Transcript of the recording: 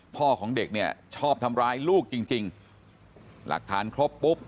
พ่อของเด็กเนี่ยชอบทำร้ายลูกจริงจริงหลักฐานครบปุ๊บ